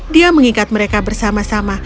dia mengikat mereka bersama sama